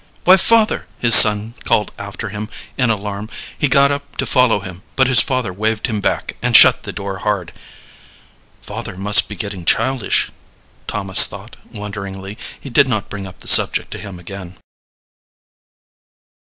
"Why, father!" his son called after him, in alarm. He got up to follow him, but his father waved him back and shut the door hard. "Father must be getting childish," Thomas thought, wonderingly. He did not bring up the subject to him again.